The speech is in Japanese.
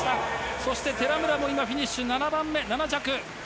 そして寺村も今、フィニッシュ、７番目、７着。